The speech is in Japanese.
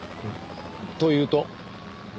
というと？